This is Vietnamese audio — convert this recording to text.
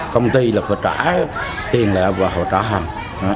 công ty là phải trả tiền lại và họ trả hàng